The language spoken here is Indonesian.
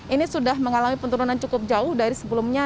ini sudah mengalami penurunan cukup jauh dari sebelumnya